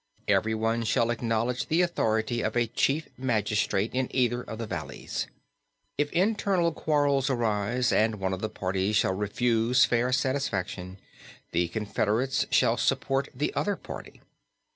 Everyone shall acknowledge the authority of a chief magistrate in either of the valleys. If internal quarrels arise, and one of the parties shall refuse fair satisfaction, the confederates shall support the other party.